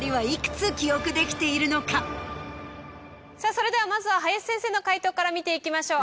さぁそれではまずは林先生の解答から見ていきましょう。